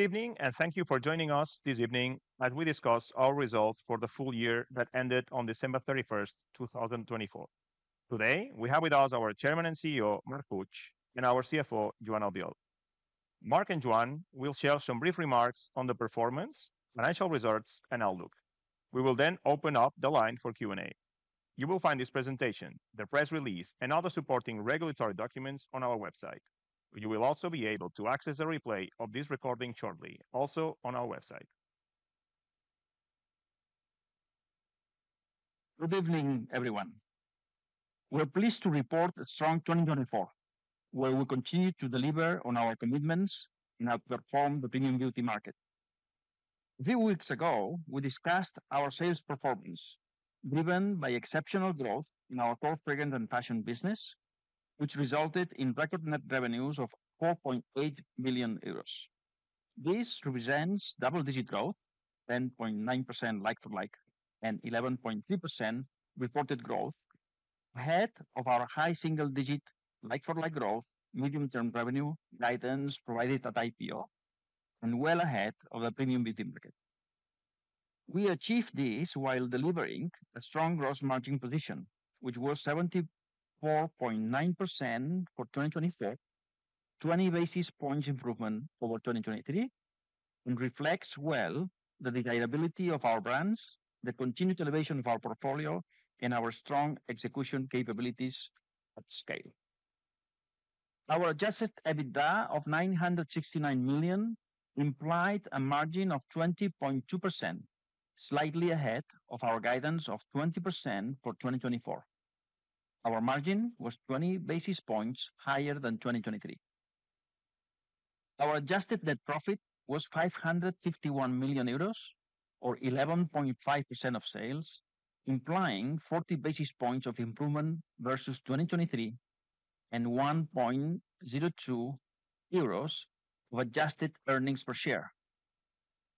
Good evening, and thank you for joining us this evening as we discuss our results for the full year that ended on December 31, 2024. Today, we have with us our Chairman and CEO, Marc Puig, and our CFO, Joan Albiol. Marc and Joan will share some brief remarks on the performance, financial results, and outlook. We will then open up the line for Q&A. You will find this presentation, the press release, and other supporting regulatory documents on our website. You will also be able to access a replay of this recording shortly, also on our website. Good evening, everyone. We're pleased to report a strong 2024, where we continue to deliver on our commitments and have outperformed the premium beauty market. A few weeks ago, we discussed our sales performance, driven by exceptional growth in our fragrance and fashion business, which resulted in record net revenues of 4.8 billion euros. This represents double-digit growth, 10.9% like-for-like and 11.3% reported growth, ahead of our high single-digit like-for-like growth, medium-term revenue guidance provided at IPO, and well ahead of the premium beauty market. We achieved this while delivering a strong gross margin position, which was 74.9% for 2024, 20 basis points improvement over 2023, and reflects well the desirability of our brands, the continued elevation of our portfolio, and our strong execution capabilities at scale. Our Adjusted EBITDA of 969 million implied a margin of 20.2%, slightly ahead of our guidance of 20% for 2024. Our margin was 20 basis points higher than 2023. Our adjusted net profit was 551 million euros, or 11.5% of sales, implying 40 basis points of improvement versus 2023 and 1.02 euros of adjusted earnings per share.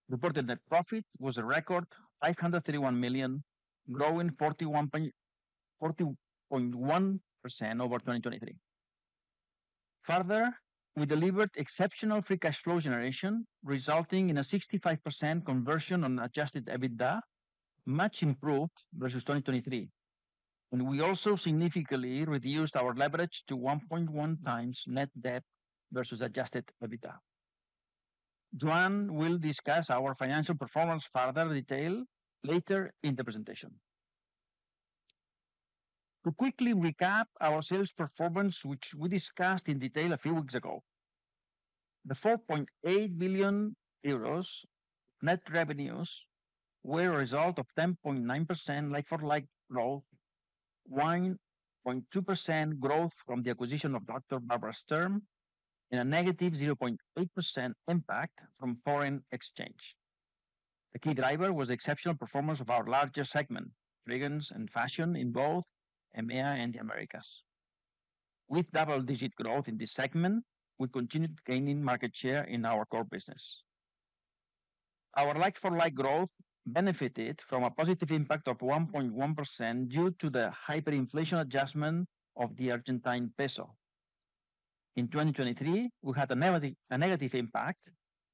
Reported net profit was a record 531 million, growing 41.1% over 2023. Further, we delivered exceptional free cash flow generation, resulting in a 65% conversion on adjusted EBITDA, much improved versus 2023, and we also significantly reduced our leverage to 1.1 times net debt versus adjusted EBITDA. Joan will discuss our financial performance further detail later in the presentation. To quickly recap our sales performance, which we discussed in detail a few weeks ago, the 4.8 billion euros net revenues were a result of 10.9% like-for-like growth, 1.2% growth from the acquisition of Dr. Barbara Sturm, and a negative 0.8% impact from foreign exchange. The key driver was the exceptional performance of our largest segment, fragrance and fashion in both EMEA and the Americas. With double-digit growth in this segment, we continued gaining market share in our core business. Our like-for-like growth benefited from a positive impact of 1.1% due to the hyperinflation adjustment of the Argentine peso. In 2023, we had a negative impact,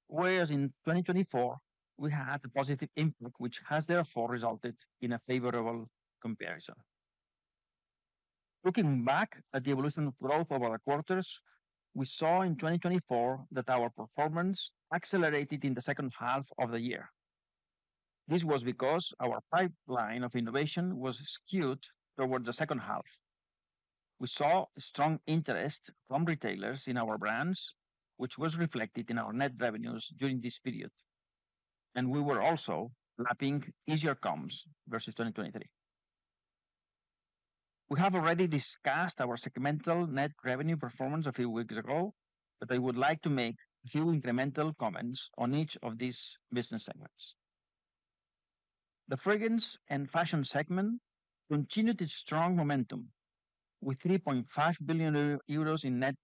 whereas in 2024, we had a positive impact, which has therefore resulted in a favorable comparison. Looking back at the evolution of growth over the quarters, we saw in 2024 that our performance accelerated in the second half of the year. This was because our pipeline of innovation was skewed towards the second half. We saw strong interest from retailers in our brands, which was reflected in our net revenues during this period, and we were also lapping easier comps versus 2023. We have already discussed our segmental net revenue performance a few weeks ago, but I would like to make a few incremental comments on each of these business segments. The fragrance and fashion segment continued its strong momentum, with 3.5 billion euros in net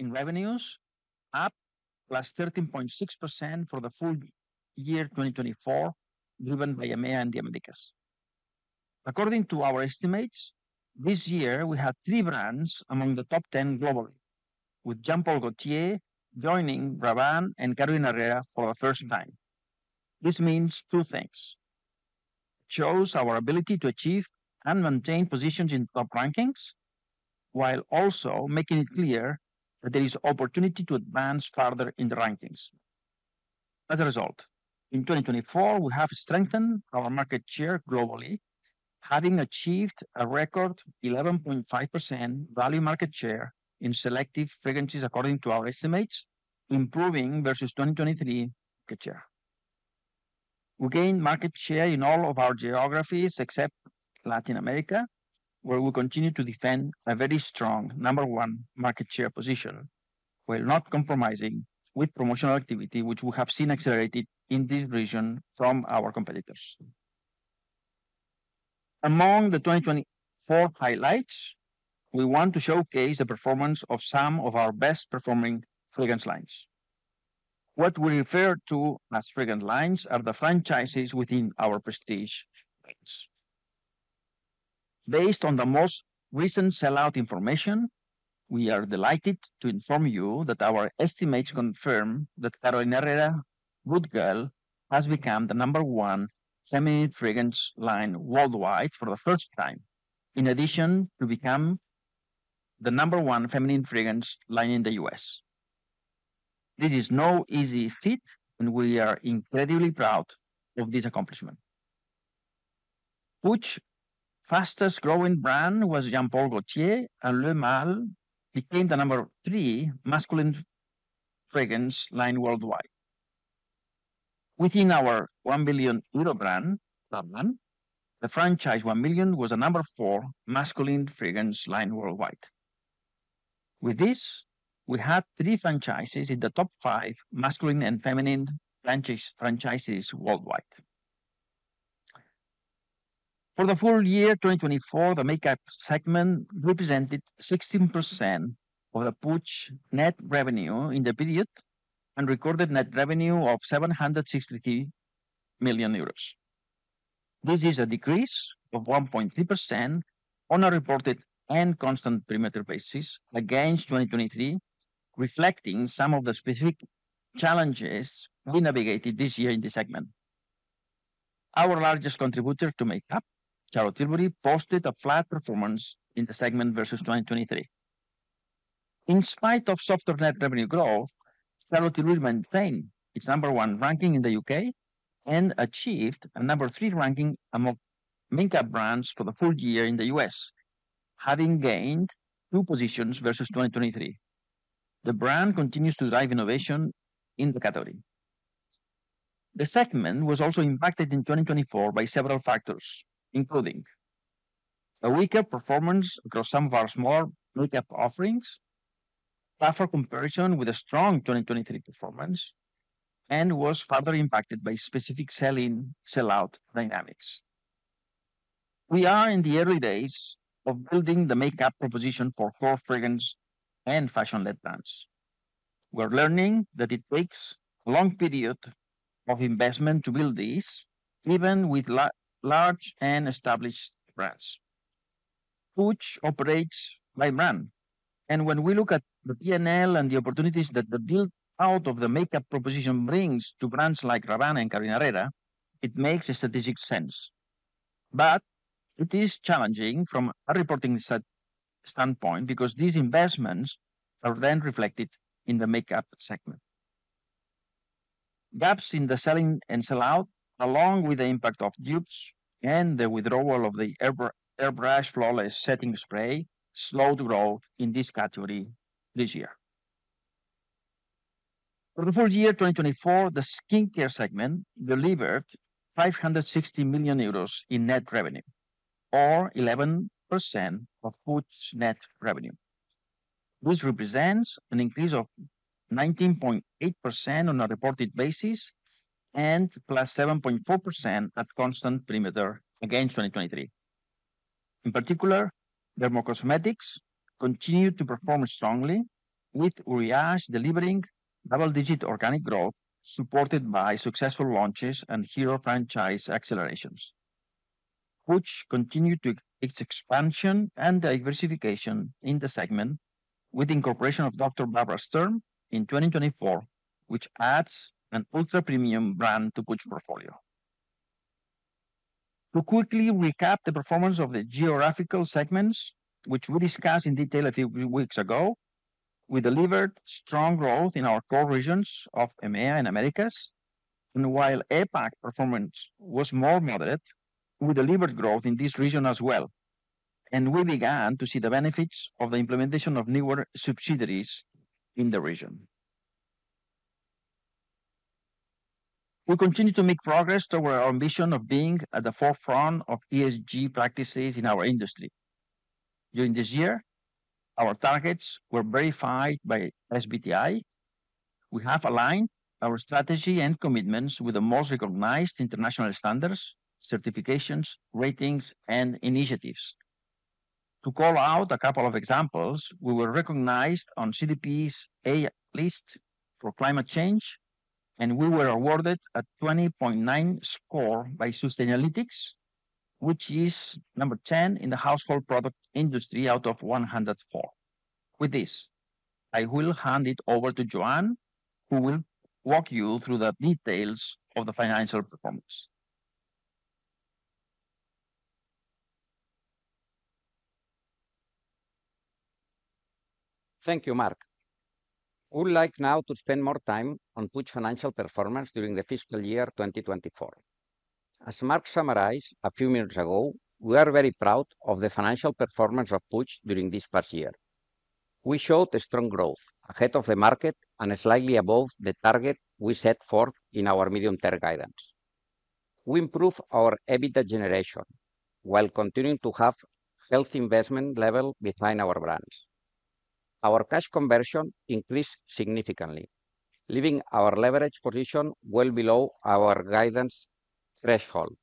revenues, up plus 13.6% for the full year 2024, driven by EMEA and the Americas. According to our estimates, this year, we had three brands among the top 10 globally, with Jean Paul Gaultier joining Rabanne and Carolina Herrera for the first time. This means two things: it shows our ability to achieve and maintain positions in top rankings, while also making it clear that there is opportunity to advance further in the rankings. As a result, in 2024, we have strengthened our market share globally, having achieved a record 11.5% value market share in selective fragrances, according to our estimates, improving versus 2023 market share. We gained market share in all of our geographies except Latin America, where we continue to defend a very strong number one market share position, while not compromising with promotional activity, which we have seen accelerated in this region from our competitors. Among the 2024 highlights, we want to showcase the performance of some of our best-performing fragrance lines. What we refer to as fragrance lines are the franchises within our prestige lines. Based on the most recent sell-out information, we are delighted to inform you that our estimates confirm that Carolina Herrera Good Girl has become the number one feminine fragrance line worldwide for the first time, in addition to become the number one feminine fragrance line in the U.S. This is no easy feat, and we are incredibly proud of this accomplishment. Puig's fastest-growing brand was Jean Paul Gaultier, and Le Male became the number three masculine fragrance line worldwide. Within our 1 billion euro brand, the franchise 1 Million was the number four masculine fragrance line worldwide. With this, we had three franchises in the top five masculine and feminine franchises worldwide. For the full year 2024, the makeup segment represented 16% of Puig's net revenue in the period and recorded net revenue of 763 million euros. This is a decrease of 1.3% on a reported and constant perimeter basis against 2023, reflecting some of the specific challenges we navigated this year in the segment. Our largest contributor to makeup, Charlotte Tilbury, posted a flat performance in the segment versus 2023. In spite of softer net revenue growth, Charlotte Tilbury maintained its number one ranking in the U.K. and achieved a number three ranking among makeup brands for the full year in the U.S., having gained two positions versus 2023. The brand continues to drive innovation in the category. The segment was also impacted in 2024 by several factors, including a weaker performance across some of our smaller makeup offerings, a tougher comparison with a strong 2023 performance, and was further impacted by specific sell-out dynamics. We are in the early days of building the makeup proposition for core fragrance and fashion-led brands. We are learning that it takes a long period of investment to build these, even with large and established brands. Puig operates by brand, and when we look at the P&L and the opportunities that the build-out of the makeup proposition brings to brands like Rabanne and Carolina Herrera, it makes strategic sense. But it is challenging from a reporting standpoint because these investments are then reflected in the makeup segment. Gaps in the sell-in and sell-out, along with the impact of dupes and the withdrawal of the Airbrush Flawless Setting Spray, slowed growth in this category this year. For the full year 2024, the skincare segment delivered 560 million euros in net revenue, or 11% of Puig's net revenue. This represents an increase of 19.8% on a reported basis and plus 7.4% at constant perimeter against 2023. In particular, dermocosmetics continued to perform strongly, with Uriage delivering double-digit organic growth supported by successful launches and hero franchise accelerations. Puig continued its expansion and diversification in the segment with the incorporation of Dr. Barbara Sturm in 2024, which adds an ultra-premium brand to Puig's portfolio. To quickly recap the performance of the geographical segments, which we discussed in detail a few weeks ago, we delivered strong growth in our core regions of EMEA and Americas, and while APAC performance was more moderate, we delivered growth in this region as well, and we began to see the benefits of the implementation of newer subsidiaries in the region. We continue to make progress toward our ambition of being at the forefront of ESG practices in our industry. During this year, our targets were verified by SBTi. We have aligned our strategy and commitments with the most recognized international standards, certifications, ratings, and initiatives. To call out a couple of examples, we were recognized on CDP's A-list for climate change, and we were awarded a 20.9 score by Sustainalytics, which is number 10 in the household product industry out of 104. With this, I will hand it over to Joan, who will walk you through the details of the financial performance. Thank you, Marc. We would like now to spend more time on Puig's financial performance during the fiscal year 2024. As Marc summarized a few minutes ago, we are very proud of the financial performance of Puig during this past year. We showed strong growth ahead of the market and slightly above the target we set forth in our medium-term guidance. We improved our EBITDA generation while continuing to have a healthy investment level behind our brands. Our cash conversion increased significantly, leaving our leverage position well below our guidance threshold.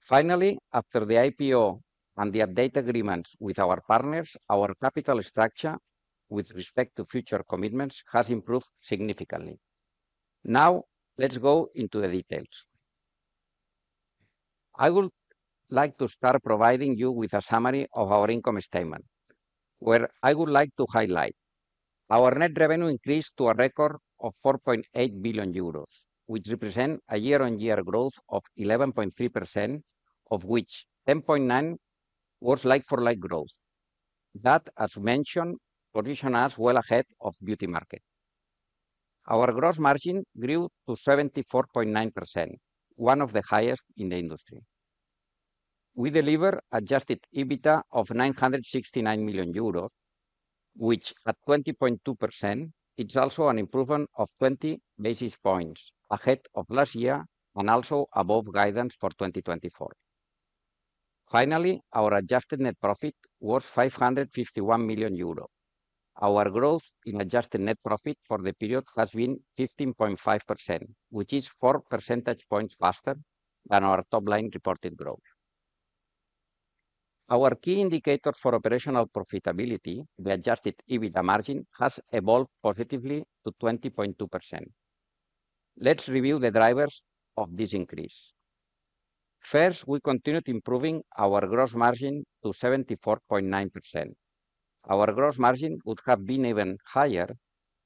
Finally, after the IPO and the updated agreements with our partners, our capital structure with respect to future commitments has improved significantly. Now, let's go into the details. I would like to start providing you with a summary of our income statement, where I would like to highlight our net revenue increased to a record of 4.8 billion euros, which represents a year-on-year growth of 11.3%, of which 10.9% was like-for-like growth. That, as mentioned, positions us well ahead of the beauty market. Our gross margin grew to 74.9%, one of the highest in the industry. We delivered adjusted EBITDA of 969 million euros, which, at 20.2%, is also an improvement of 20 basis points ahead of last year and also above guidance for 2024. Finally, our adjusted net profit was 551 million euro. Our growth in adjusted net profit for the period has been 15.5%, which is 4 percentage points faster than our top-line reported growth. Our key indicator for operational profitability, the adjusted EBITDA margin, has evolved positively to 20.2%. Let's review the drivers of this increase. First, we continued improving our gross margin to 74.9%. Our gross margin would have been even higher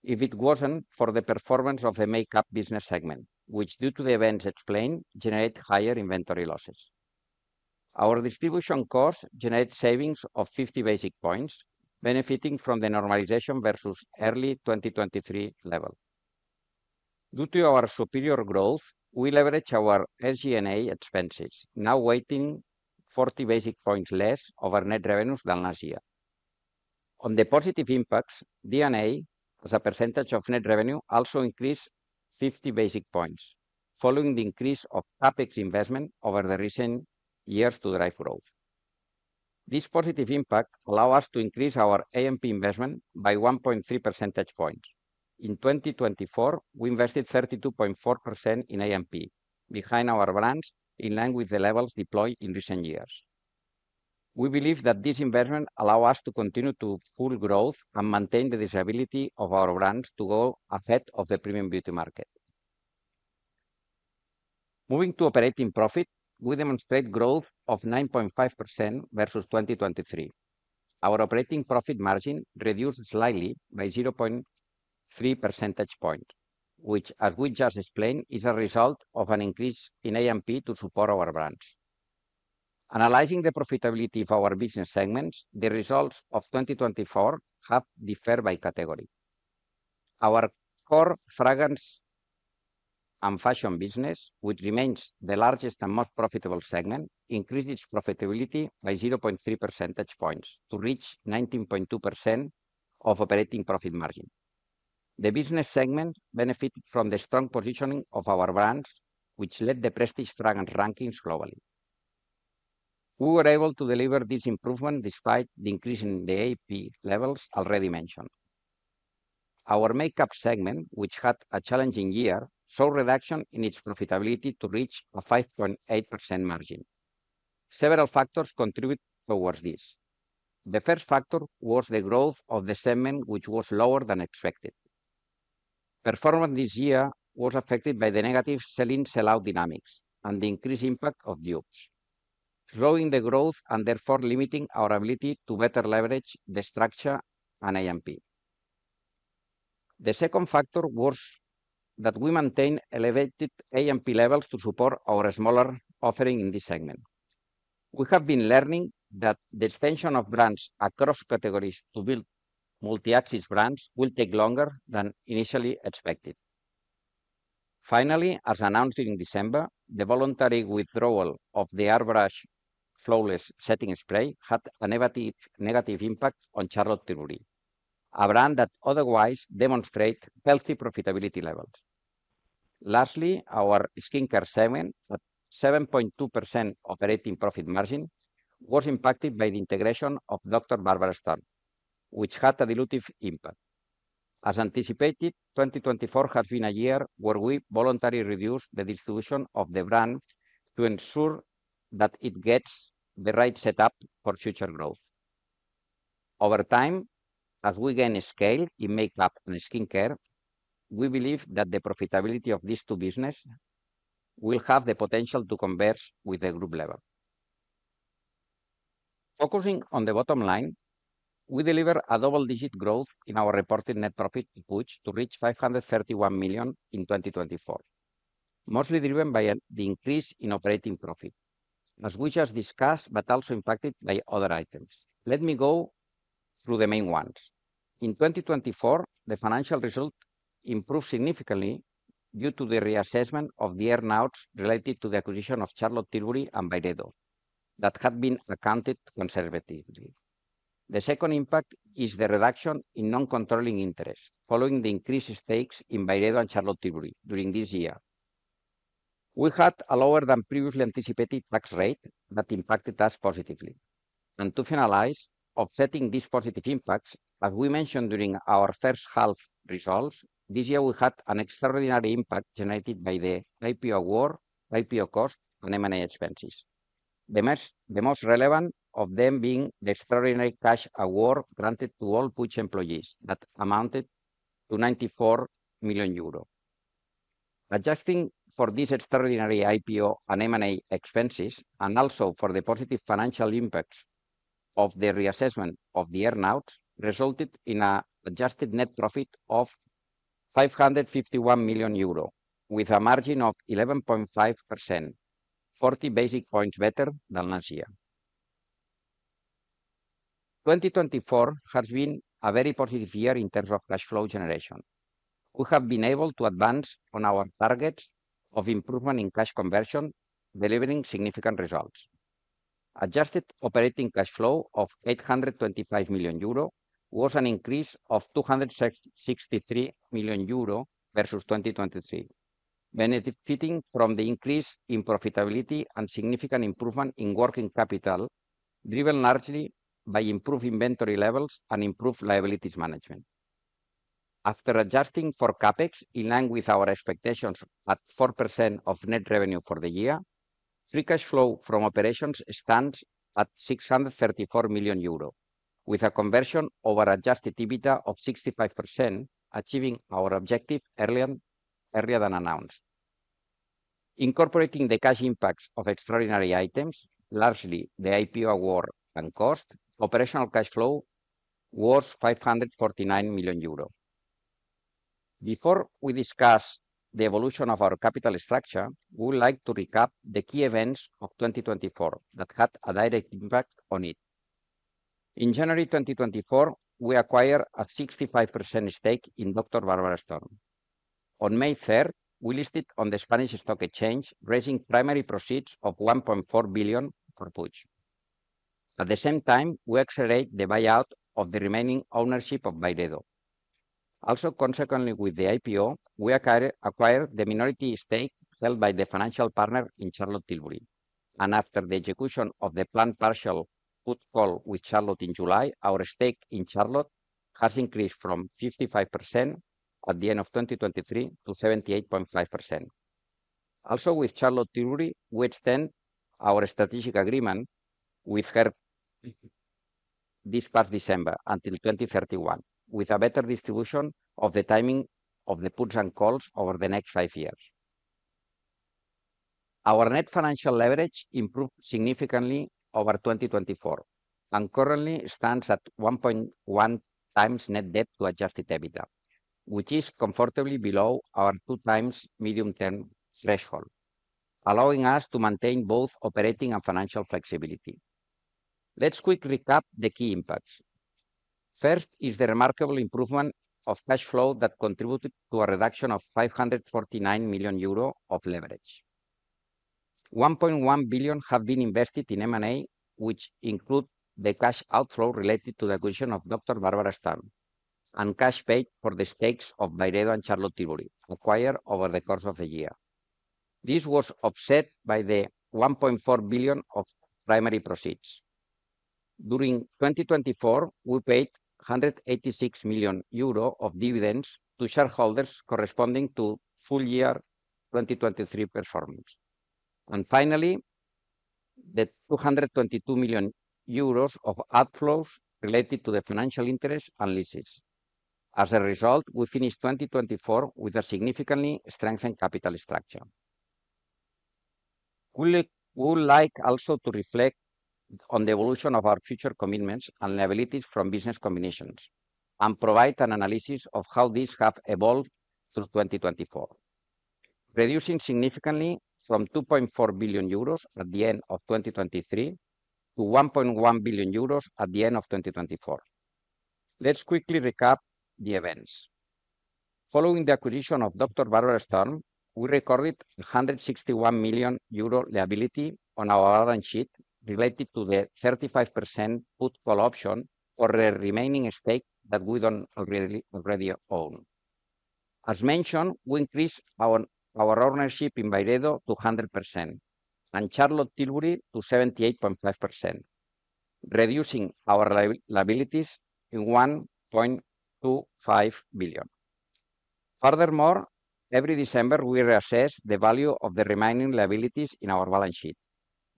if it wasn't for the performance of the makeup business segment, which, due to the events explained, generated higher inventory losses. Our distribution costs generated savings of 50 basis points, benefiting from the normalization versus early 2023 level. Due to our superior growth, we leveraged our SG&A expenses, now weighing 40 basis points less of our net revenues than last year. On the positive impacts, D&A, as a percentage of net revenue, also increased 50 basis points, following the increase of CapEx investment over the recent years to drive growth. This positive impact allowed us to increase our A&P investment by 1.3 percentage points. In 2024, we invested 32.4% in A&P, behind our brands in line with the levels deployed in recent years. We believe that this investment allowed us to continue to fuel growth and maintain the viability of our brands to go ahead of the premium beauty market. Moving to operating profit, we demonstrate growth of 9.5% versus 2023. Our operating profit margin reduced slightly by 0.3 percentage points, which, as we just explained, is a result of an increase in A&P to support our brands. Analyzing the profitability of our business segments, the results of 2024 have differed by category. Our core fragrance and fashion business, which remains the largest and most profitable segment, increased its profitability by 0.3 percentage points to reach 19.2% operating profit margin. The business segment benefited from the strong positioning of our brands, which led to prestige fragrance rankings globally. We were able to deliver this improvement despite the increase in the A&P levels already mentioned. Our makeup segment, which had a challenging year, saw a reduction in its profitability to reach a 5.8% margin. Several factors contributed toward this. The first factor was the growth of the segment, which was lower than expected. Performance this year was affected by the negative sell-out dynamics and the increased impact of dupes, slowing the growth and therefore limiting our ability to better leverage the structure and A&P. The second factor was that we maintained elevated A&P levels to support our smaller offering in this segment. We have been learning that the extension of brands across categories to build multi-axis brands will take longer than initially expected. Finally, as announced in December, the voluntary withdrawal of the Airbrush Flawless Setting Spray had a negative impact on Charlotte Tilbury, a brand that otherwise demonstrated healthy profitability levels. Lastly, our skincare segment, at 7.2% operating profit margin, was impacted by the integration of Dr. Barbara Sturm, which had a dilutive impact. As anticipated, 2024 has been a year where we voluntarily reduced the distribution of the brand to ensure that it gets the right setup for future growth. Over time, as we gain scale in makeup and skincare, we believe that the profitability of these two businesses will have the potential to converge with the group level. Focusing on the bottom line, we delivered a double-digit growth in our reported net profit in Puig to reach 531 million in 2024, mostly driven by the increase in operating profit, as we just discussed, but also impacted by other items. Let me go through the main ones. In 2024, the financial result improved significantly due to the reassessment of the earnouts related to the acquisition of Charlotte Tilbury and Byredo that had been accounted conservatively. The second impact is the reduction in non-controlling interest following the increased stakes in Byredo and Charlotte Tilbury during this year. We had a lower than previously anticipated tax rate that impacted us positively. And to finalize, offsetting these positive impacts, as we mentioned during our first half results, this year we had an extraordinary impact generated by the IPO award, IPO cost, and M&A expenses, the most relevant of them being the extraordinary cash award granted to all Puig employees that amounted to 94 million euro. Adjusting for this extraordinary IPO and M&A expenses, and also for the positive financial impacts of the reassessment of the earnouts, resulted in an adjusted net profit of 551 million euro, with a margin of 11.5%, 40 basis points better than last year. 2024 has been a very positive year in terms of cash flow generation. We have been able to advance on our targets of improvement in cash conversion, delivering significant results. Adjusted operating cash flow of 825 million euro was an increase of 263 million euro versus 2023, benefiting from the increase in profitability and significant improvement in working capital, driven largely by improved inventory levels and improved liabilities management. After adjusting for CapEx in line with our expectations at 4% of net revenue for the year, free cash flow from operations stands at 634 million euro, with a conversion over adjusted EBITDA of 65%, achieving our objective earlier than announced. Incorporating the cash impacts of extraordinary items, largely the IPO award and cost, operational cash flow was 549 million euro. Before we discuss the evolution of our capital structure, we would like to recap the key events of 2024 that had a direct impact on it. In January 2024, we acquired a 65% stake in Dr. Barbara Sturm. On May 3rd, we listed on the Spanish Stock Exchange, raising primary proceeds of 1.4 billion for Puig. At the same time, we accelerated the buyout of the remaining ownership of Byredo. Also, consequently, with the IPO, we acquired the minority stake held by the financial partner in Charlotte Tilbury. And after the execution of the planned partial put/call with Charlotte in July, our stake in Charlotte has increased from 55% at the end of 2023 to 78.5%. Also, with Charlotte Tilbury, we extended our strategic agreement with her this past December until 2031, with a better distribution of the timing of the puts and calls over the next five years. Our net financial leverage improved significantly over 2024 and currently stands at 1.1 times net debt to adjusted EBITDA, which is comfortably below our two-times medium-term threshold, allowing us to maintain both operating and financial flexibility. Let's quickly recap the key impacts. First is the remarkable improvement of cash flow that contributed to a reduction of 549 million euro of leverage. 1.1 billion have been invested in M&A, which include the cash outflow related to the acquisition of Dr. Barbara Sturm and cash paid for the stakes of Byredo and Charlotte Tilbury, acquired over the course of the year. This was offset by the 1.4 billion of primary proceeds. During 2024, we paid 186 million euro of dividends to shareholders corresponding to full-year 2023 performance. And finally, the 222 million euros of outflows related to the financial interest and leases. As a result, we finished 2024 with a significantly strengthened capital structure. We would like also to reflect on the evolution of our future commitments and liabilities from business combinations and provide an analysis of how these have evolved through 2024, reducing significantly from 2.4 billion euros at the end of 2023 to 1.1 billion euros at the end of 2024. Let's quickly recap the events. Following the acquisition of Dr. Barbara Sturm, we recorded 161 million euro liability on our balance sheet related to the 35% put/call option for the remaining stake that we don't already own. As mentioned, we increased our ownership in Byredo to 100% and Charlotte Tilbury to 78.5%, reducing our liabilities in 1.25 billion. Furthermore, every December, we reassess the value of the remaining liabilities in our balance sheet.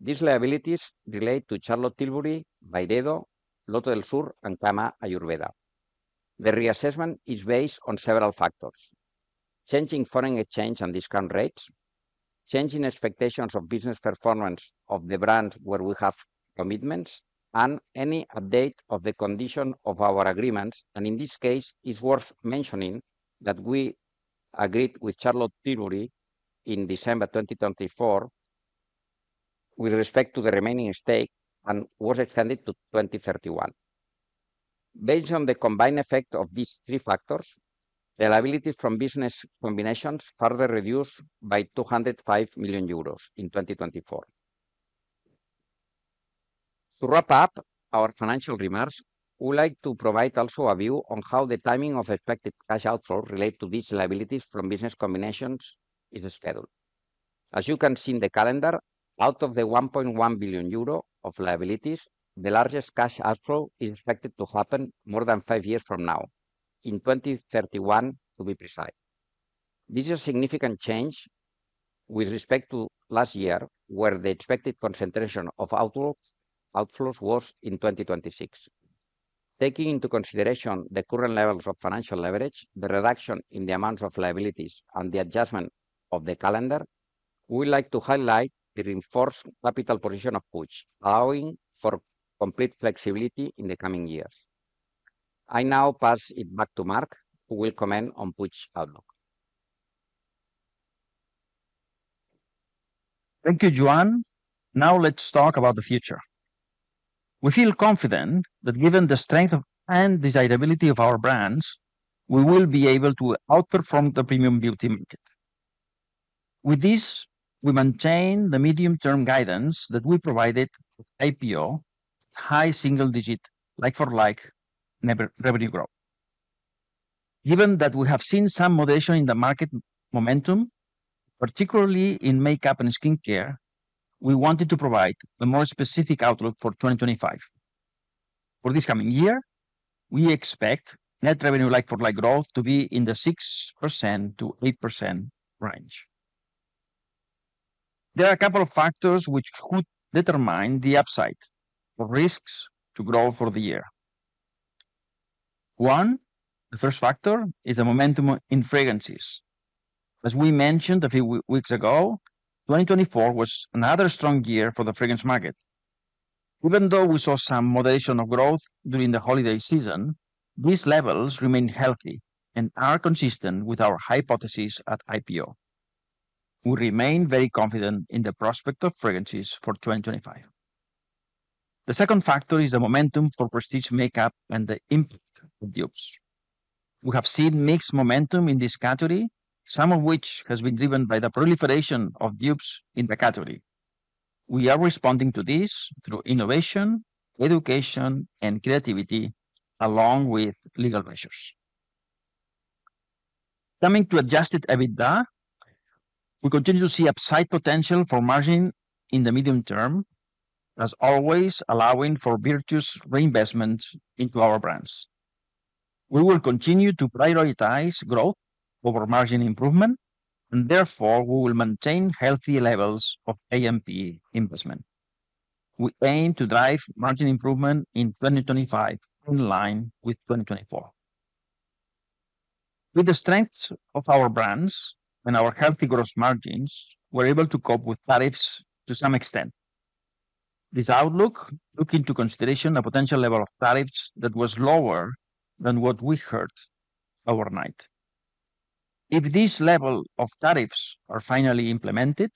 These liabilities relate to Charlotte Tilbury, Byredo, Loto del Sur, and Kama Ayurveda. The reassessment is based on several factors: changing foreign exchange and discount rates, changing expectations of business performance of the brands where we have commitments, and any update of the condition of our agreements, and in this case, it's worth mentioning that we agreed with Charlotte Tilbury in December 2024 with respect to the remaining stake and was extended to 2031. Based on the combined effect of these three factors, the liabilities from business combinations further reduced by 205 million euros in 2024. To wrap up our financial remarks, we would like to provide also a view on how the timing of expected cash outflow related to these liabilities from business combinations is scheduled. As you can see in the calendar, out of the 1.1 billion euro of liabilities, the largest cash outflow is expected to happen more than five years from now, in 2031 to be precise. This is a significant change with respect to last year, where the expected concentration of outflows was in 2026. Taking into consideration the current levels of financial leverage, the reduction in the amounts of liabilities, and the adjustment of the calendar, we would like to highlight the reinforced capital position of Puig, allowing for complete flexibility in the coming years. I now pass it back to Marc, who will comment on Puig's outlook. Thank you, Joan. Now let's talk about the future. We feel confident that given the strength and desirability of our brands, we will be able to outperform the premium beauty market. With this, we maintain the medium-term guidance that we provided with IPO, high single-digit like-for-like revenue growth. Given that we have seen some moderation in the market momentum, particularly in makeup and skincare, we wanted to provide a more specific outlook for 2025. For this coming year, we expect net revenue like-for-like growth to be in the 6%-8% range. There are a couple of factors which could determine the upside for risks to grow for the year. One, the first factor is the momentum in fragrances. As we mentioned a few weeks ago, 2024 was another strong year for the fragrance market. Even though we saw some moderation of growth during the holiday season, these levels remain healthy and are consistent with our hypothesis at IPO. We remain very confident in the prospect of fragrances for 2025. The second factor is the momentum for prestige makeup and the impact of dupes. We have seen mixed momentum in this category, some of which has been driven by the proliferation of dupes in the category. We are responding to this through innovation, education, and creativity, along with legal measures. Coming to Adjusted EBITDA, we continue to see upside potential for margin in the medium term, as always allowing for virtuous reinvestments into our brands. We will continue to prioritize growth over margin improvement, and therefore we will maintain healthy levels of A&P investment. We aim to drive margin improvement in 2025 in line with 2024. With the strength of our brands and our healthy gross margins, we're able to cope with tariffs to some extent. This outlook took into consideration a potential level of tariffs that was lower than what we heard overnight. If this level of tariffs is finally implemented,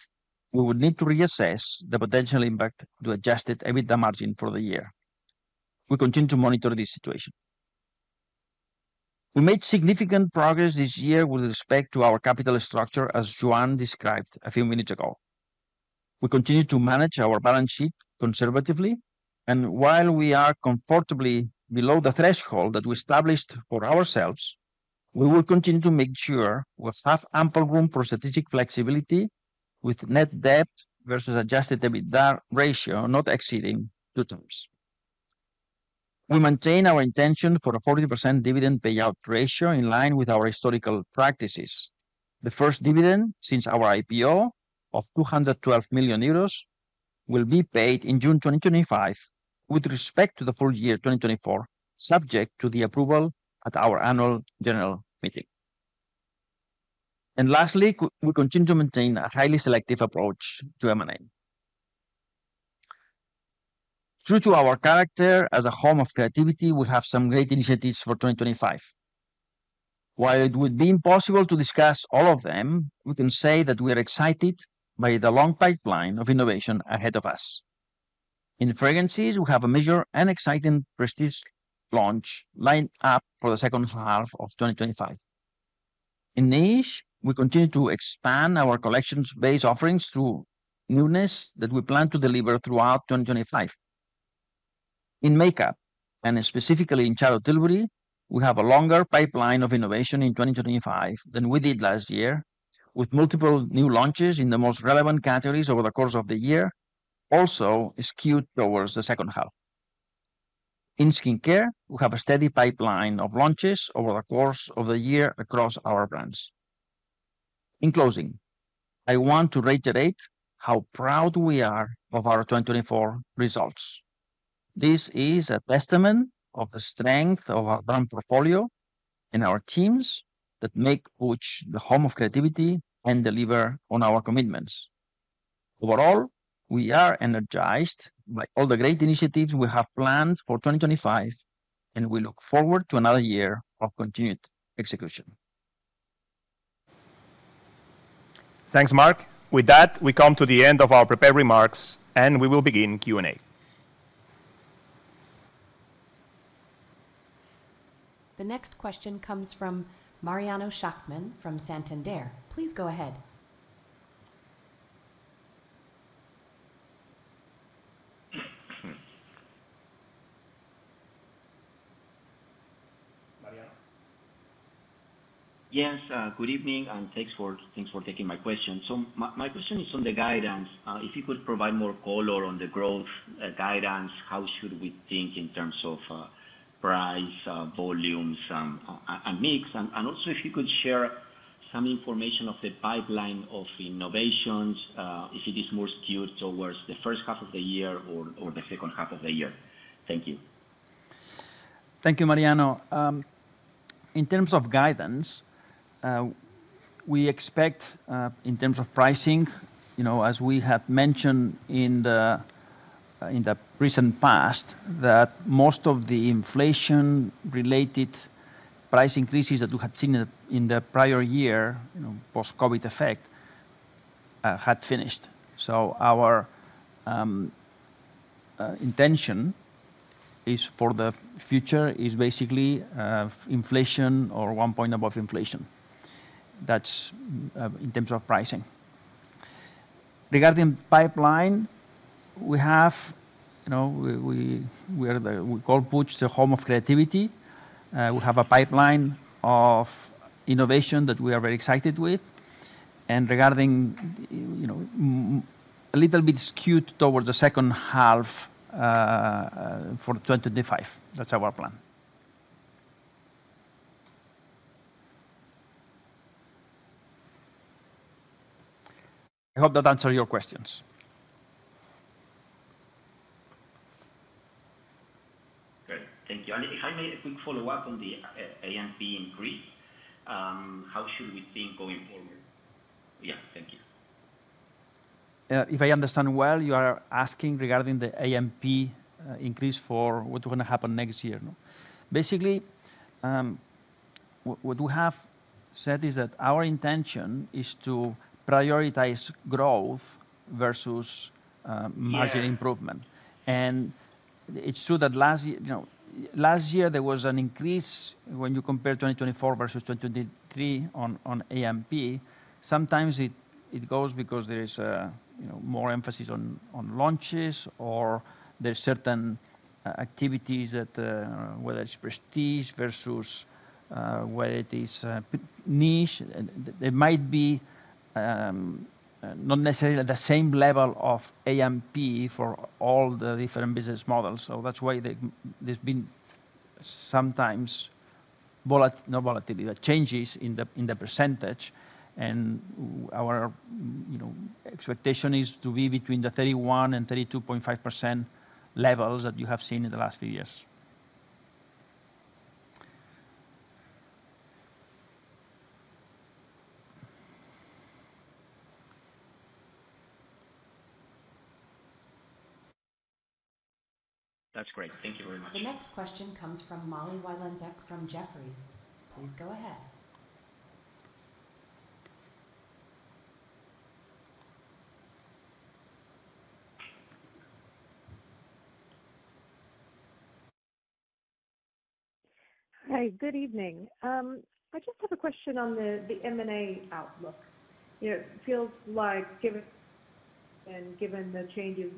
we would need to reassess the potential impact to adjusted EBITDA margin for the year. We continue to monitor this situation. We made significant progress this year with respect to our capital structure, as Joan described a few minutes ago. We continue to manage our balance sheet conservatively, and while we are comfortably below the threshold that we established for ourselves, we will continue to make sure we have ample room for strategic flexibility with net debt versus adjusted EBITDA ratio not exceeding two times. We maintain our intention for a 40% dividend payout ratio in line with our historical practices. The first dividend since our IPO of 212 million euros will be paid in June 2025 with respect to the full year 2024, subject to the approval at our annual general meeting. Lastly, we continue to maintain a highly selective approach to M&A. Due to our character as a home of creativity, we have some great initiatives for 2025. While it would be impossible to discuss all of them, we can say that we are excited by the long pipeline of innovation ahead of us. In fragrances, we have a major and exciting prestige launch lined up for the second half of 2025. In niche, we continue to expand our collections-based offerings through newness that we plan to deliver throughout 2025. In makeup, and specifically in Charlotte Tilbury, we have a longer pipeline of innovation in 2025 than we did last year, with multiple new launches in the most relevant categories over the course of the year, also skewed towards the second half. In skincare, we have a steady pipeline of launches over the course of the year across our brands. In closing, I want to reiterate how proud we are of our 2024 results. This is a testament of the strength of our brand portfolio and our teams that make Puig the home of creativity and deliver on our commitments. Overall, we are energized by all the great initiatives we have planned for 2025, and we look forward to another year of continued execution. Thanks, Marc. With that, we come to the end of our prepared remarks, and we will begin Q&A. The next question comes from Mariano Schachmann from Santander. Please go ahead. Yes, good evening, and thanks for taking my question. So my question is on the guidance. If you could provide more color on the growth guidance, how should we think in terms of price, volumes, and mix? And also, if you could share some information of the pipeline of innovations, if it is more skewed towards the first half of the year or the second half of the year. Thank you. Thank you, Mariano. In terms of guidance, we expect, in terms of pricing, as we have mentioned in the recent past, that most of the inflation-related price increases that we had seen in the prior year post-COVID effect had finished. So our intention for the future is basically inflation or one point above inflation. That's in terms of pricing. Regarding the pipeline, we have called Puig the home of creativity. We have a pipeline of innovation that we are very excited with. And regarding a little bit skewed towards the second half for 2025, that's our plan. I hope that answered your questions. Great. Thank you. And if I may, a quick follow-up on the A&P increase. How should we think going forward? Yeah, thank you. If I understand well, you are asking regarding the A&P increase for what's going to happen next year. Basically, what we have said is that our intention is to prioritize growth versus margin improvement. And it's true that last year there was an increase when you compare 2024 versus 2023 on A&P. Sometimes it goes because there is more emphasis on launches or there are certain activities that, whether it's prestige versus whether it is niche, there might be not necessarily the same level of A&P for all the different business models. So that's why there's been sometimes volatility changes in the percentage. And our expectation is to be between the 31% and 32.5% levels that you have seen in the last few years. That's great. Thank you very much. The next question comes from Molly Wylenzek from Jefferies. Please go ahead. Hi, good evening. I just have a question on the M&A outlook. It feels like, given the changes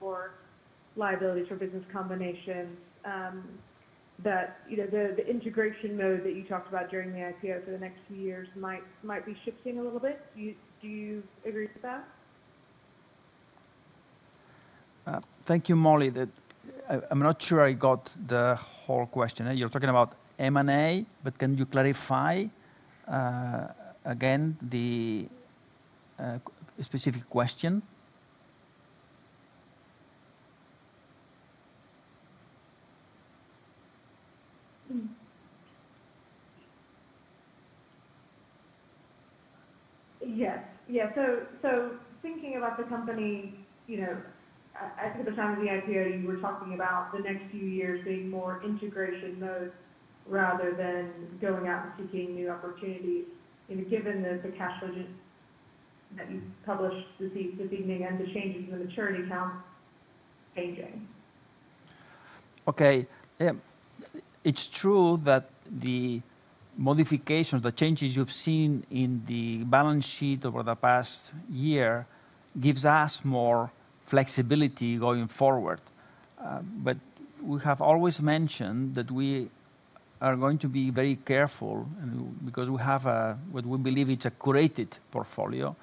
for liabilities for business combinations, that the integration mode that you talked about during the IPO for the next few years might be shifting a little bit. Do you agree with that? Thank you, Molly. I'm not sure I got the whole question. You're talking about M&A, but can you clarify again the specific question? Yes. Yeah. So thinking about the company, I think at the time of the IPO, you were talking about the next few years being more integration mode rather than going out and seeking new opportunities. Given the cash budget that you published this evening and the changes in the maturity account changing. Okay. It's true that the modifications, the changes you've seen in the balance sheet over the past year gives us more flexibility going forward, but we have always mentioned that we are going to be very careful because we have what we believe is a curated portfolio,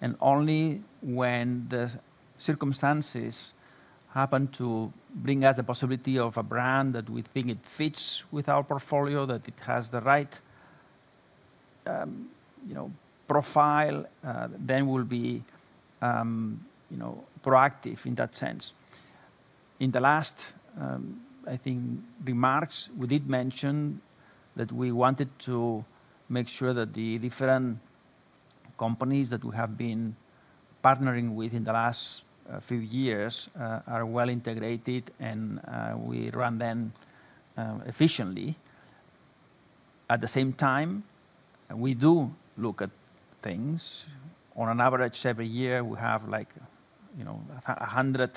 and only when the circumstances happen to bring us the possibility of a brand that we think fits with our portfolio, that it has the right profile, then we'll be proactive in that sense. In the last, I think, remarks, we did mention that we wanted to make sure that the different companies that we have been partnering with in the last few years are well integrated and we run them efficiently. At the same time, we do look at things. On average, every year, we have like 100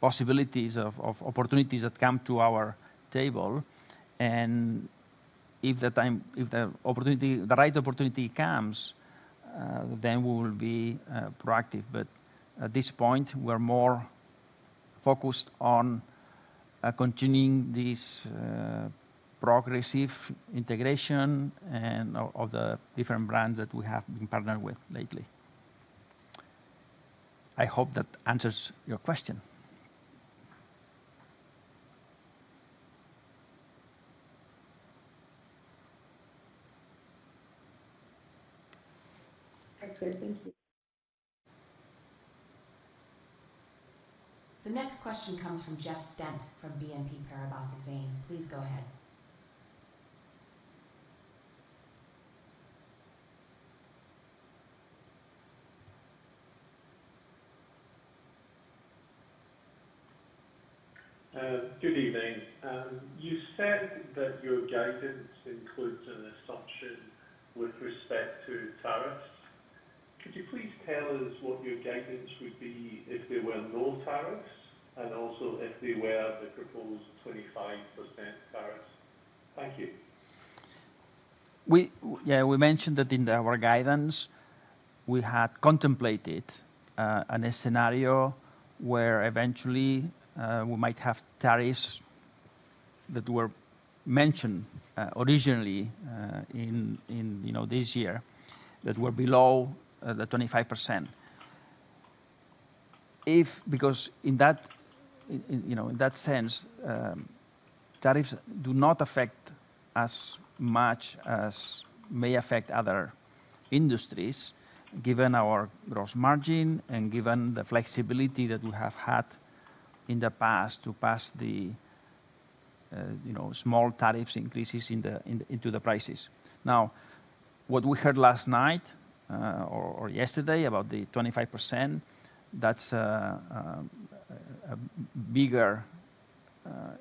possibilities of opportunities that come to our table. And if the right opportunity comes, then we will be proactive. But at this point, we're more focused on continuing this progressive integration of the different brands that we have been partnered with lately. I hope that answers your question. Excellent. Thank you. The next question comes from Jeff Stent from BNP Paribas Exane. Please go ahead. Good evening. You said that your guidance includes an assumption with respect to tariffs. Could you please tell us what your guidance would be if there were no tariffs and also if there were the proposed 25% tariffs? Thank you. Yeah, we mentioned that in our guidance, we had contemplated a scenario where eventually we might have tariffs that were mentioned originally in this year that were below the 25%. Because in that sense, tariffs do not affect us much as may affect other industries, given our gross margin and given the flexibility that we have had in the past to pass the small tariffs increases into the prices. Now, what we heard last night or yesterday about the 25%, that's a bigger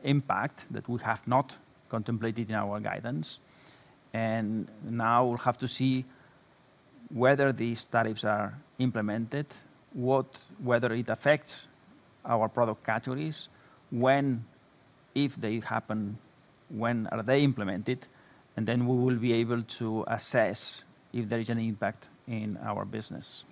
impact that we have not contemplated in our guidance, and now we'll have to see whether these tariffs are implemented, whether it affects our product categories, if they happen, when are they implemented, and then we will be able to assess if there is an impact in our business.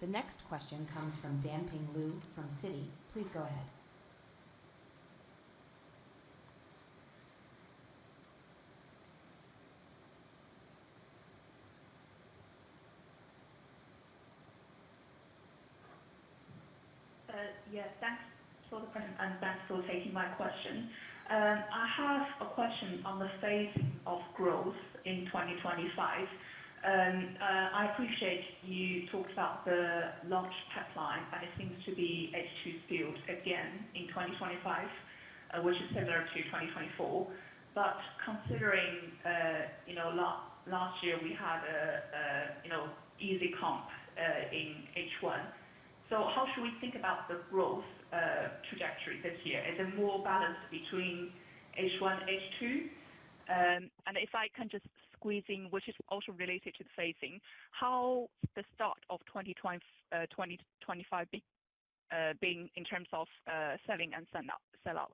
The next question comes from Danping Liu from Citi. Please go ahead. Yes, thanks for the question and thanks for taking my question. I have a question on the phase of growth in 2025. I appreciate you talked about the launch pipeline, and it seems to be H2's field again in 2025, which is similar to 2024. But considering last year we had an easy comp in H1, so how should we think about the growth trajectory this year? Is it more balanced between H1, H2? And if I can just squeeze in, which is also related to the phasing, how should the start of 2025 be in terms of selling and sell-out?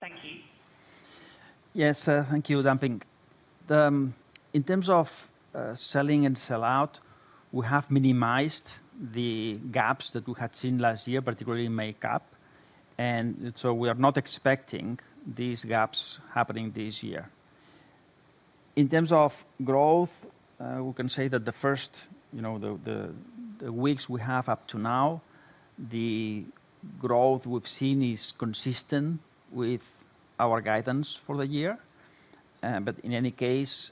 Thank you. Yes, thank you, Danping. In terms of selling and sell-out, we have minimized the gaps that we had seen last year, particularly in makeup. And so we are not expecting these gaps happening this year. In terms of growth, we can say that the first weeks we have up to now, the growth we've seen is consistent with our guidance for the year. But in any case,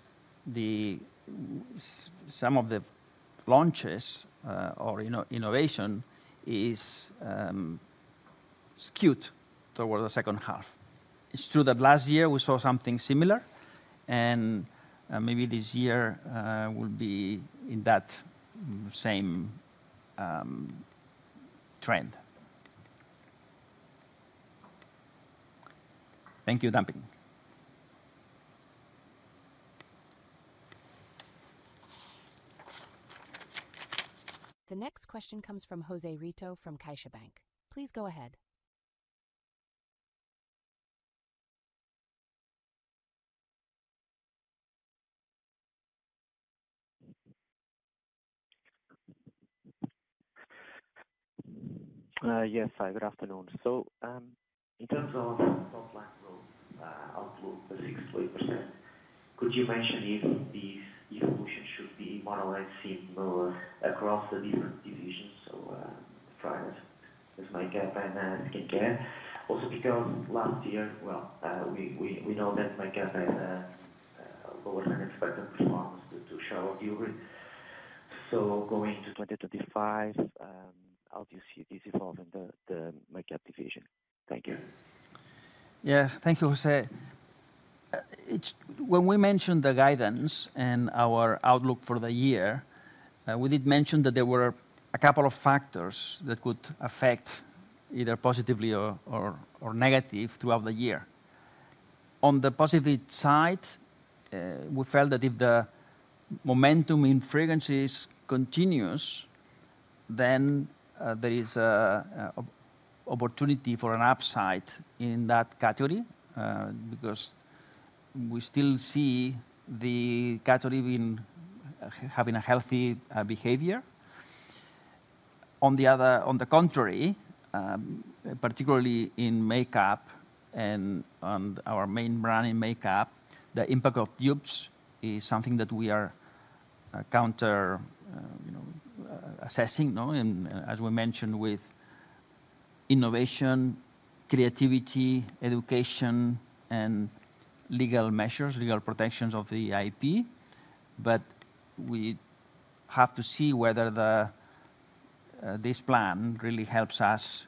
some of the launches or innovation is skewed towards the second half. It's true that last year we saw something similar, and maybe this year will be in that same trend. Thank you, Danping. The next question comes from José Rito from CaixaBank. Please go ahead. Yes, hi, good afternoon. So in terms of top-line growth outlook, the 6%-8%, could you mention if the evolution should be more or less similar across the different divisions? So the products, just makeup and skincare. Also because last year, well, we know that makeup has lower than expected performance due to channel delivery. So going into 2025, how do you see this evolving the makeup division? Thank you. Yeah, thank you, José. When we mentioned the guidance and our outlook for the year, we did mention that there were a couple of factors that could affect either positively or negatively throughout the year. On the positive side, we felt that if the momentum in fragrances continues, then there is an opportunity for an upside in that category because we still see the category having a healthy behavior. On the contrary, particularly in makeup and our main brand in makeup, the impact of dupes is something that we are counter-assessing, as we mentioned, with innovation, creativity, education, and legal measures, legal protections of the IP. But we have to see whether this plan really helps us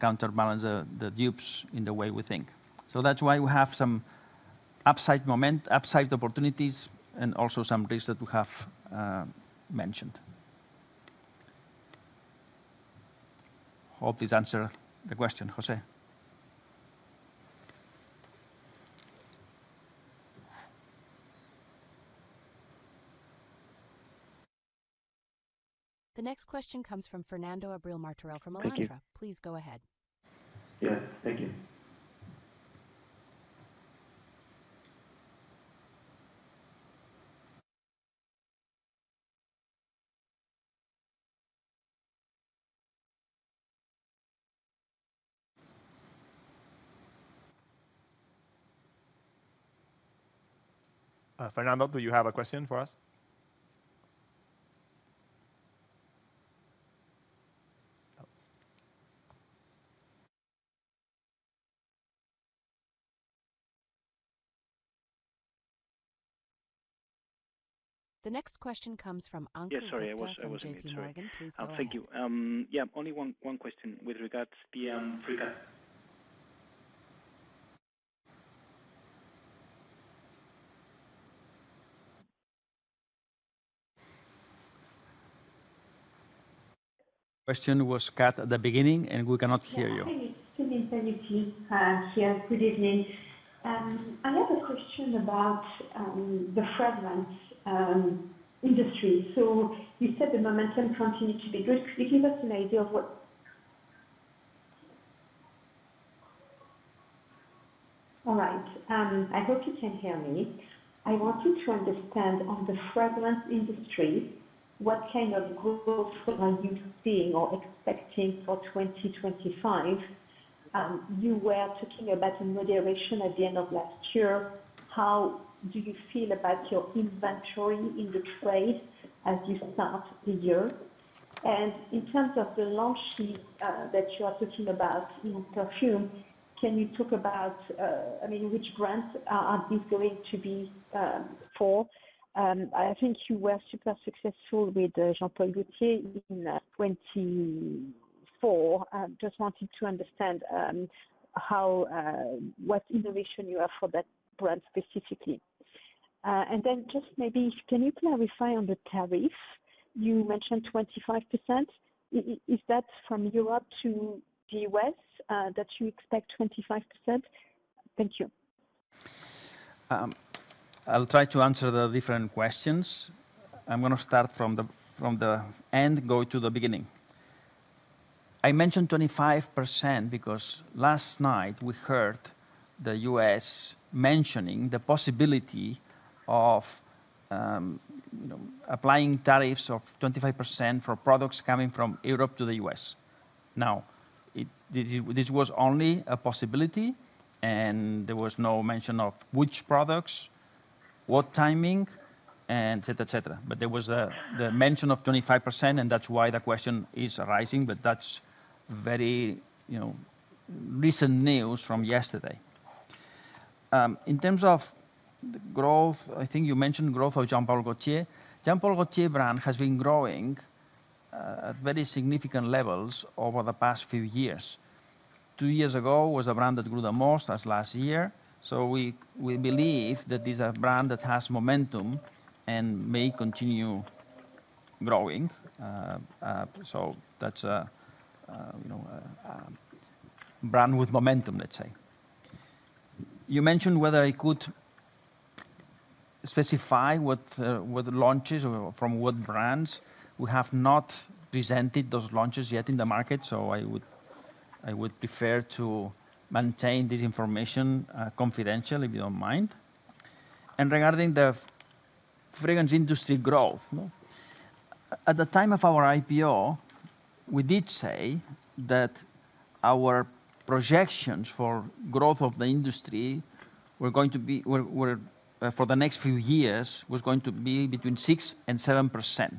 counterbalance the dupes in the way we think. So that's why we have some upside opportunities and also some risks that we have mentioned. Hope this answered the question, José. The next question comes from Fernando Abril-Martorell from Alantra. Please go ahead. Yeah, thank you. Fernando, do you have a question for us? The next question comes from Ankur Ragan. Yes, sorry, I wasn't able to hear. Thank you. Yeah, only one question with regards to the.. question was cut at the beginning, and we cannot hear you. Good evening. Good evening. I have a question about the fragrance industry. So you said the momentum continued to be good. Could you give us an idea of what? All right. I hope you can hear me. I wanted to understand on the fragrance industry, what kind of growth are you seeing or expecting for 2025? You were talking about moderation at the end of last year. How do you feel about your inventory in the trade as you start the year? In terms of the launch that you are talking about in perfume, can you talk about, I mean, which brands are these going to be for? I think you were super successful with Jean Paul Gaultier in 2024. I just wanted to understand what innovation you have for that brand specifically. And then just maybe, can you clarify on the tariff? You mentioned 25%. Is that from Europe to the U.S. that you expect 25%? Thank you. I'll try to answer the different questions. I'm going to start from the end, go to the beginning. I mentioned 25% because last night we heard the U.S. mentioning the possibility of applying tariffs of 25% for products coming from Europe to the U.S. Now, this was only a possibility, and there was no mention of which products, what timing, and etc., etc. There was the mention of 25%, and that's why the question is arising. That's very recent news from yesterday. In terms of growth, I think you mentioned growth of Jean Paul Gaultier. Jean Paul Gaultier brand has been growing at very significant levels over the past few years. Two years ago was a brand that grew the most, as last year. So we believe that this is a brand that has momentum and may continue growing. So that's a brand with momentum, let's say. You mentioned whether I could specify what launches or from what brands. We have not presented those launches yet in the market, so I would prefer to maintain this information confidential if you don't mind. And regarding the fragrance industry growth, at the time of our IPO, we did say that our projections for growth of the industry were going to be, for the next few years, was going to be between 6% and 7%.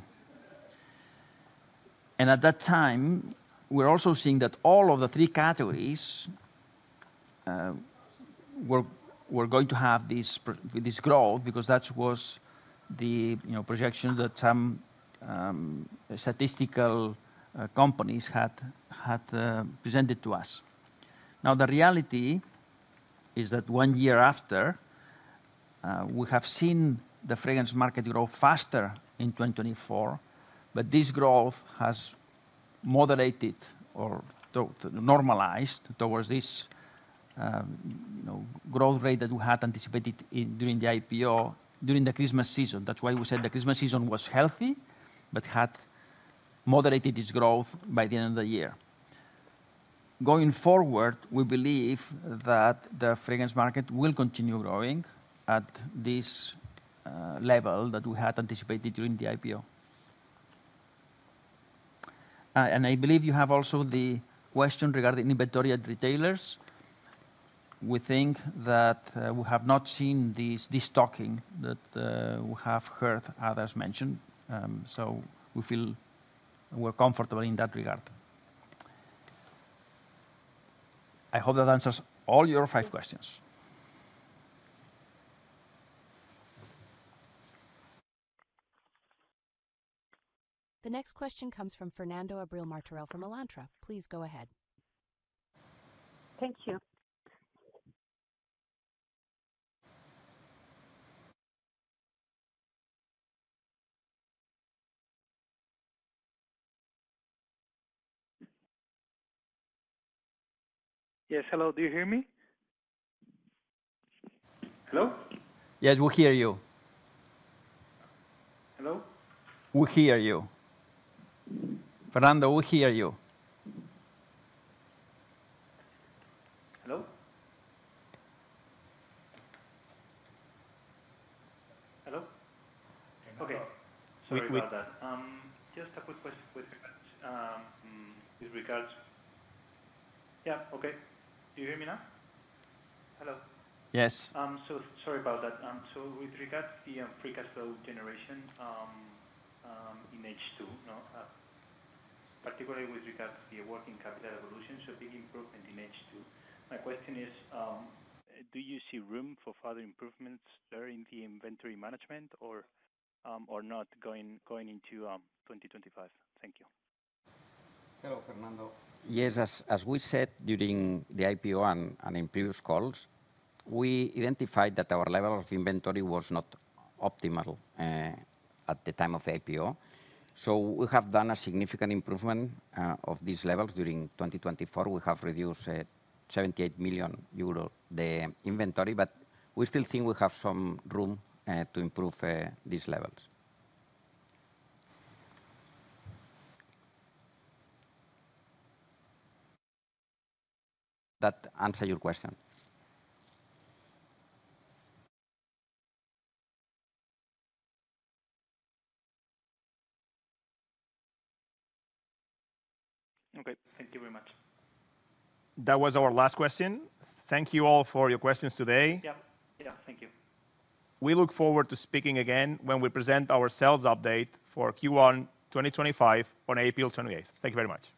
And at that time, we're also seeing that all of the three categories were going to have this growth because that was the projection that some statistical companies had presented to us. Now, the reality is that one year after, we have seen the fragrance market grow faster in 2024, but this growth has moderated or normalized towards this growth rate that we had anticipated during the IPO during the Christmas season. That's why we said the Christmas season was healthy, but had moderated its growth by the end of the year. Going forward, we believe that the fragrance market will continue growing at this level that we had anticipated during the IPO. And I believe you have also the question regarding inventory at retailers. We think that we have not seen this stocking that we have heard others mention. So we feel we're comfortable in that regard. I hope that answers all your five questions. The next question comes from Fernando Abril-Martorell from Alantra. Please go ahead. Thank you. Yes, hello, do you hear me? Yes, we hear you, Fernando. Okay. Sorry about that. Just a quick question with regards to the free cash flow generation in H2, particularly with regards to the working capital evolution, so big improvement in H2. My question is, do you see room for further improvements during the inventory management or not going into 2025? Thank you. Hello, Fernando. Yes, as we said during the IPO and in previous calls, we identified that our level of inventory was not optimal at the time of the IPO. So we have done a significant improvement of these levels during 2024. We have reduced 78 million euro the inventory, but we still think we have some room to improve these levels. That answers your question. Okay, thank you very much. That was our last question. Thank you all for your questions today. Yeah, thank you. We look forward to speaking again when we present our sales update for Q1 2025 on April 28th. Thank you very much.